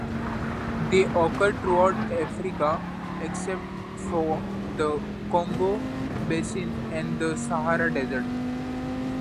They occur throughout Africa except for the Congo basin and the Sahara Desert.